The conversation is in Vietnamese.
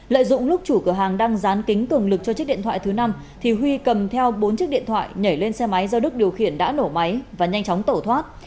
lợi dụng lúc chủ cửa hàng đang dán kính cường lực cho chiếc điện thoại thứ năm thì huy cầm theo bốn chiếc điện thoại nhảy lên xe máy do đức điều khiển đã nổ máy và nhanh chóng tẩu thoát